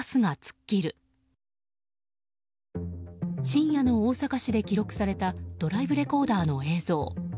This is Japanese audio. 深夜の大阪市で記録されたドライブレコーダーの映像。